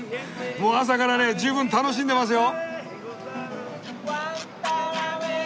もう朝からね十分楽しんでますよ！